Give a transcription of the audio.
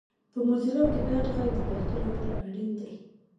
په موزیلا کې ګډ غږ د پښتو لپاره اړین دی